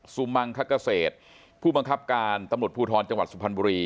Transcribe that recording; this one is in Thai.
มังคเกษตรผู้บังคับการตำรวจภูทรจังหวัดสุพรรณบุรี